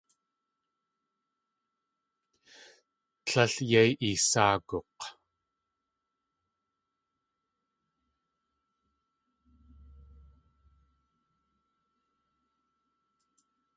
Líl yéi eesáaguk̲!